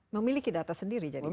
memiliki data sendiri jadi